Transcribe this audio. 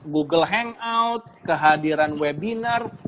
google hangout kehadiran webinar